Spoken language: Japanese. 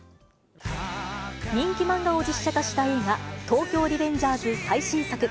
人気漫画を実写化した映画、東京リベンジャーズ最新作。